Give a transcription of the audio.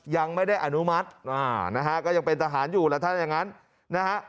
ยังไม่ได้อนุมัตินะฮะก็ยังเป็นทหารอยู่แล้วถ้าอย่างนั้นนะฮะ